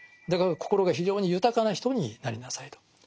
だから心が非常に豊かな人になりなさいと。